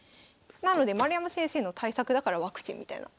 なので丸山先生の対策だからワクチンみたいな。